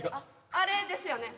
あれですよね。